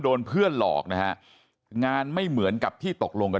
โดนเพื่อนหลอกนะฮะงานไม่เหมือนกับที่ตกลงกัน